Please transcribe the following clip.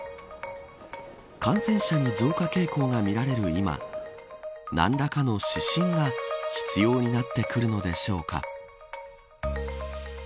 感染者に増加傾向が見られる今何らかの指針が必要になってくるのでしょうか。